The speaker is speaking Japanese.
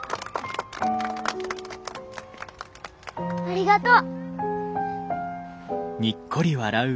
ありがとう。